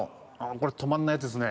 これ止まんないやつですね。